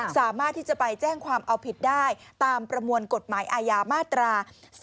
สามารถที่จะไปแจ้งความเอาผิดได้ตามประมวลกฎหมายอาญามาตรา๓๔